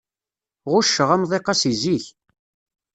Ɣucceɣ amḍiq-a si zik.